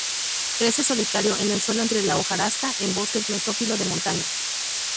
Crece solitario, en el suelo entre la hojarasca, en bosque mesófilo de montaña.